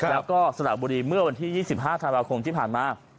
แล้วก็สระบุรีเมื่อวันที่๒๕ธันวาคมที่ผ่านมา